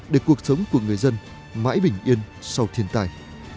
để cuộc sống của người dân mãi bình yên sau thiên tai